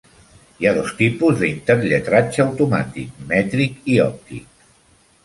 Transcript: Hi ha dos tipus de interlletratge automàtic: "mètric" i "òptic".